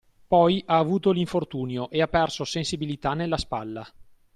Poi ha avuto l'infortunio e ha perso sensibilità nella spalla.